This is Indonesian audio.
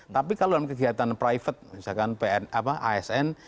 tapi kalau dalam kegiatan private misalkan asn